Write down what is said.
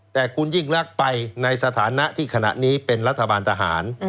แต่คุณยิ่งรักไปในสถานะที่ขณะนี้เป็นรัฐบาลทหาร